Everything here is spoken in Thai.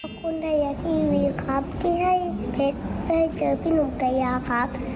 คนไทยละทีวีครับที่ให้เพชรได้เจอพี่หนุ่มกะยาครับ